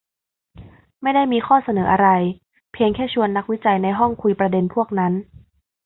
ไม่ได้มีข้อเสนออะไร เพียงแค่ชวนนักวิจัยในห้องคุยประเด็นพวกนั้น